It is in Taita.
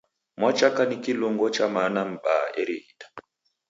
Mwachaka ni kilungo cha mana m'baa erighita.